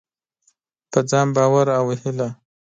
پر ځان باور او هيله: